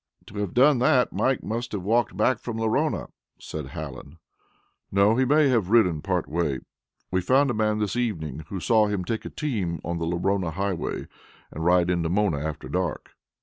"To have done that, Mike must have walked back from Lorona," said Hallen. "No, he may have ridden part way. We found a man this evening who saw him take a team on the Lorona Highway and ride into Mona after dark."